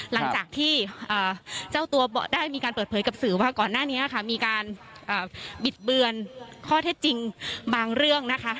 หลังจากที่เจ้าตัวได้มีการเปิดเผยกับสื่อว่าก่อนหน้านี้ค่ะมีการบิดเบือนข้อเท็จจริงบางเรื่องนะคะ